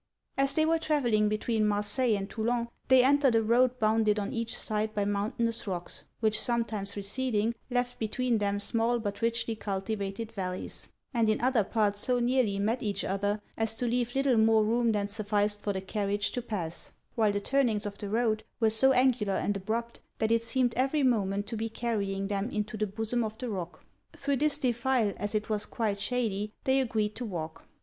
As they were travelling between Marseilles and Toulon they entered a road bounded on each side by mountainous rocks, which sometimes receding, left between them small but richly cultivated vallies; and in other parts so nearly met each other, as to leave little more room than sufficed for the carriage to pass; while the turnings of the road were so angular and abrupt, that it seemed every moment to be carrying them into the bosom of the rock. Thro' this defile, as it was quite shady, they agreed to walk.